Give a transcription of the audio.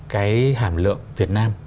cái hàm lượng việt nam